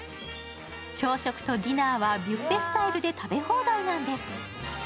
朝食とディナーはビュッフェスタイルで食べ放題なんです。